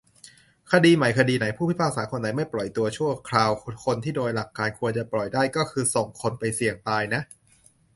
คดีใหม่คดีไหน ผู้พิพากษาคนไหนไม่ปล่อยตัวชั่วคราวคนที่โดยหลักการควรจะปล่อยได้ ก็คือส่งคนไปเสี่ยงตายนะ